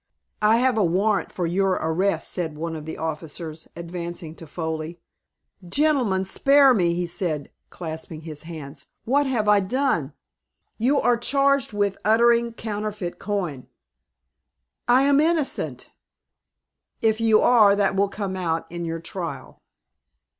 "I have a warrant for your arrest," said one of the officers, advancing to Foley. "Gentlemen, spare me," he said, clasping his hands. "What have I done?" "You are charged with uttering counterfeit coin. "I am innocent." "If you are, that will come out on your trial."